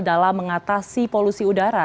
dalam mengatasi polusi udara